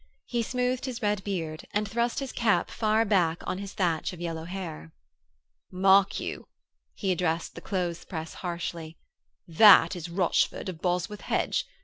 He smoothed his red beard and thrust his cap far back on his thatch of yellow hair. 'Mark you,' he addressed the clothes press harshly, 'that is Rochford of Bosworth Hedge.